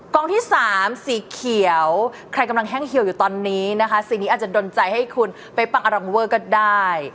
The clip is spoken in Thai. ที่สามสีเขียวใครกำลังแห้งเหี่ยวอยู่ตอนนี้นะคะสีนี้อาจจะดนใจให้คุณไปฟังอารัมเวอร์ก็ได้